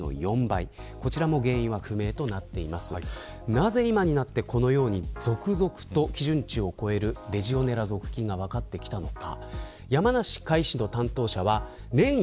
なぜ今になって、このように続々と基準値を超えるレジオネラ属菌が分かってきたのか。